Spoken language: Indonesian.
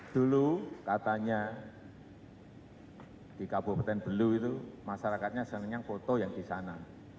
dulu katanya di kabupaten belu itu masyarakatnya senangnya foto yang di sana